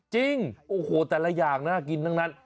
จริงโอ้โหแต่ละอย่างน่ากินทั้งนั้น